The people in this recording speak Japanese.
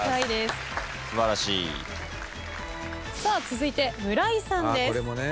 続いて村井さんです。